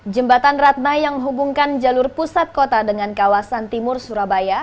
jembatan ratna yang menghubungkan jalur pusat kota dengan kawasan timur surabaya